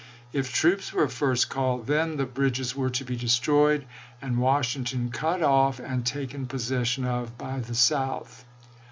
If troops were first called, then the bridges were to be destroyed, and Washington cut off and taken possession of by the South.